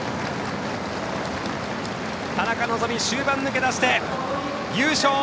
田中希実、終盤抜け出して優勝！